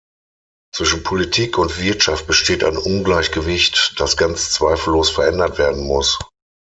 Zwischen Politik und Wirtschaft besteht ein Ungleichgewicht, das ganz zweifellos verändert werden muss.